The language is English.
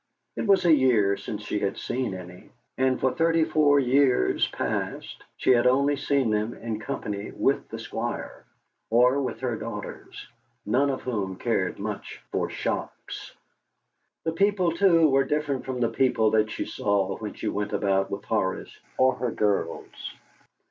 It was a year since she had seen any, and for thirty four years past she had only seen them in company with the Squire or with her daughters, none of whom cared much for shops. The people, too, were different from the people that she saw when she went about with Horace or her girls.